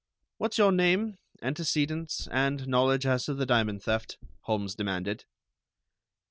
"What's your name, antecedents, and knowledge as to the diamond theft?" Holmes demanded.